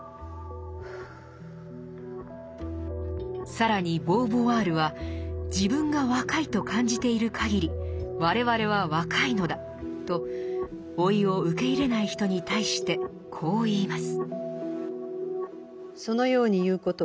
更にボーヴォワールは「自分が若いと感じているかぎり我々は若いのだ」と老いを受け入れない人に対してこう言います。